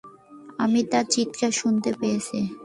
আমি তার চিৎকার শুনতে পেয়েছি।